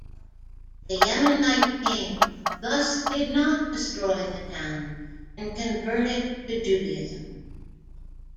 The Yemenite king thus did not destroy the town and converted to Judaism.